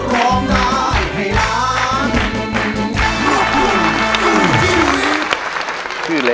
ขอบคุณครับ